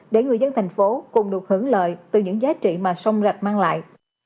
để người dân thành phố cùng được hưởng lợi từ những giá trị mà sông rạch mang lại